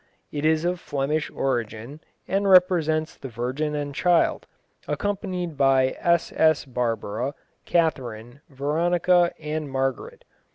It is of Flemish origin, and represents the Virgin and Child, accompanied by SS. Barbara, Catharine, Veronica and Margaret.